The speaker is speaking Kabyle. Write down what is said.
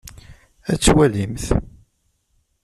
Ad twalimt.